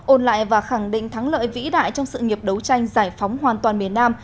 ôn lại và khẳng định thắng lợi vĩ đại trong sự nghiệp đấu tranh giải phóng hoàn toàn miền nam